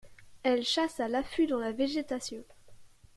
Elles chassent à l'affût dans la végétation.